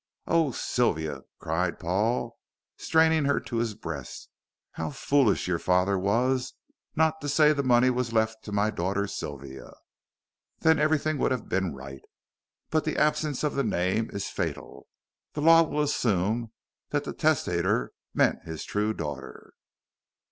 Oh, Sylvia," cried Paul, straining her to his breast, "how foolish your father was not to say the money was left to 'my daughter Sylvia.' Then everything would have been right. But the absence of the name is fatal. The law will assume that the testator meant his true daughter."